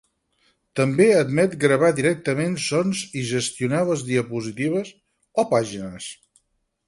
També admet gravar directament sons i gestionar les diapositives o pàgines.